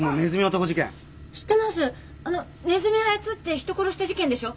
あのネズミを操って人殺した事件でしょ？